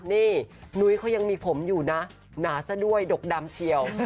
นี่นุ้ยเขายังมีผมอยู่นะหนาซะด้วยดกดำเฉียว